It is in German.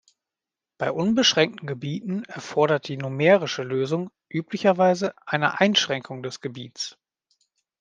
Bei unbeschränkten Gebieten erfordert die numerische Lösung üblicherweise eine Einschränkung des Gebiets.